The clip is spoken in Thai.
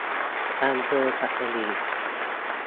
อำเภอสัตหีบ